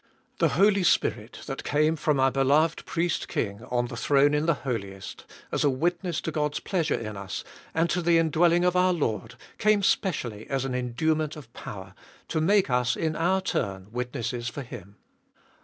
The Holy Spirit that came from our beloved Priest King on the throne in the Holiest, as a witness to God's pleasure in us, and to the indwelling of our Lord, came specially as an enduement of power, to make us in our turn witnesses for Him.